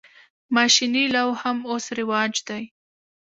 ماشیني لو هم اوس رواج دی.